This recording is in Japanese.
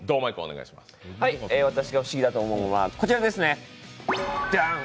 私が不思議だと思うものはこちらですね。